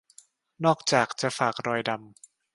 นอกจากจะฝากรอยดำ